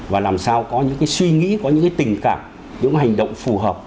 và làm sao có những cái suy nghĩ có những cái tình cảm những hành động phù hợp